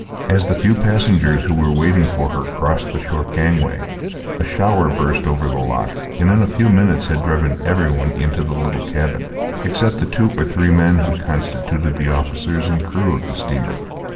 As the few passengers who were waiting for her crossed the short gangway, a shower burst over the loch and in a few minutes had driven every one into the little cabin, except the two or three men who constituted the officers and crew of the steamer.